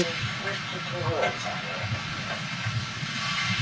「ぐらいですかね」。